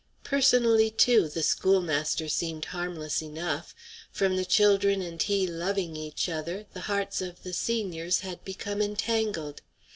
Personally, too, the schoolmaster seemed harmless enough. From the children and he loving each other, the hearts of the seniors had become entangled.